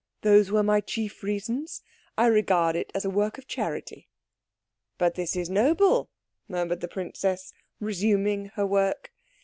"Those were my chief reasons. I regard it as a work of charity." "But this is noble," murmured the princess, resuming her work.